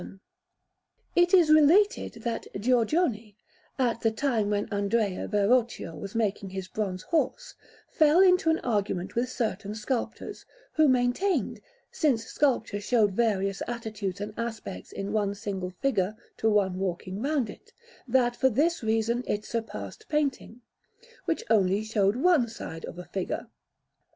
Berlin: Kaiser Friedrich Museum, 12A_) Bruckmann] It is related that Giorgione, at the time when Andrea Verrocchio was making his bronze horse, fell into an argument with certain sculptors, who maintained, since sculpture showed various attitudes and aspects in one single figure to one walking round it, that for this reason it surpassed painting, which only showed one side of a figure.